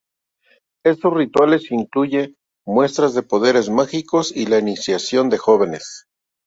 Estos rituales incluyen muestras de poderes mágicos y la iniciación de los jóvenes.